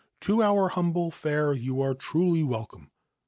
o our humble fare you are truly welcome.